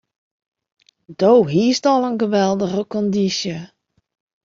Doe hiest al in geweldige kondysje.